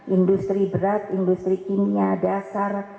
industri berat industri kimia dasar